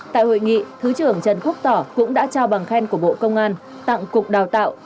tại hội nghị thứ trưởng trần quốc tỏ cũng đã trao bằng khen của bộ công an tặng cục đào tạo